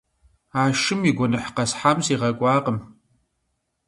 А шым и гуэныхь къэсхьам сигъэкӀуакъым.